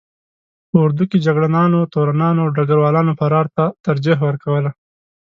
په اردو کې جګړه نانو، تورنانو او ډګر والانو فرار ته ترجیح ورکوله.